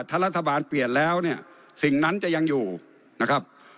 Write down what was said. ถ้ารัฐบาลเปลี่ยนแล้วเนี่ยสิ่งนั้นจะยังอยู่นะครับ